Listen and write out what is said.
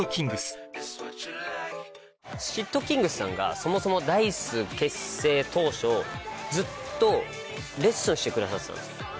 ｔｋｉｎｇｚさんがそもそもＤａ−ｉＣＥ結成当初ずっとレッスンしてくださってたんですよ。